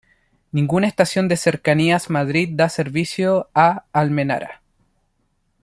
Ninguna estación de Cercanías Madrid da servicio a Almenara.